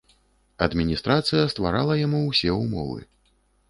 Адміністрацыя стварала яму ўсе ўмовы.